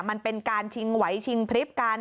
มันเป็นการชิงไหวชิงพริบกัน